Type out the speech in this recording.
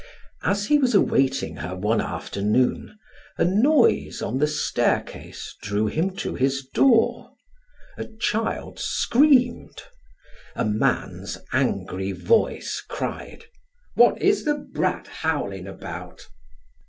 As he was awaiting her one afternoon, a noise on the staircase drew him to his door. A child screamed. A man's angry voice cried: "What is the brat howling about?"